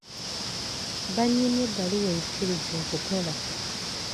Banyimye ebbaluwa enzikiriza okukola.